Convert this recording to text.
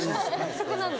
そこなんだ。